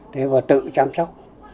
thế và tự chăm sóc